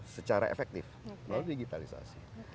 secara efektif melalui digitalisasi